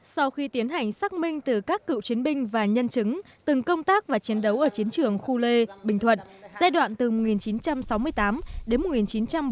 sau khi tiến hành xác minh từ các cựu chiến binh và nhân chứng từng công tác và chiến đấu ở chiến trường khu lê bình thuận giai đoạn từ một nghìn chín trăm sáu mươi tám đến một nghìn chín trăm bảy mươi